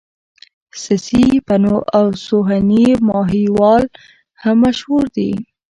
سسي پنو او سوهني ماهيوال هم مشهور دي.